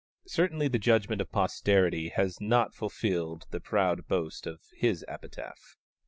Certainly the judgment of posterity has not fulfilled the proud boast of his epitaph.